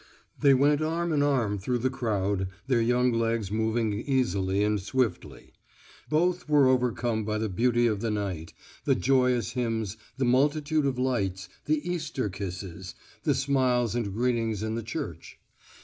They went arm in arm through the crowd, their young legs moving easily and swiftly. Both were overcome by the beauty of the night, the joyous hymns, the multitude of lights, the Easter kisses, the smiles and greetings in the church.